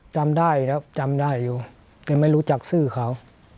จำได้ครับจำได้อยู่แต่ไม่รู้จักชื่อเขา